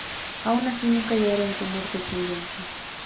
Aun así nunca llegaron a tener descendencia.